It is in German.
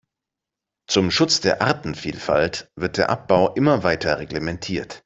Zum Schutz der Artenvielfalt wird der Abbau immer weiter reglementiert.